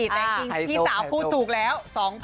แต่จริงพี่สาวพูดถูกแล้ว